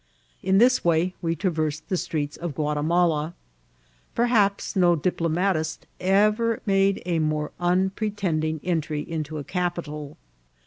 In this way we traversed the streets of Ouatimala. Perhaps no diplomatist eyer made a more unpretending entry into a capitol.